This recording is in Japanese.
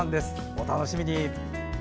お楽しみに。